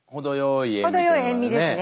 程よい塩味ですね。